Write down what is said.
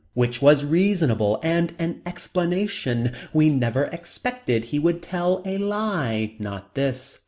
Which was reasonable and an explanation. We never expected he would tell a lie. Not this.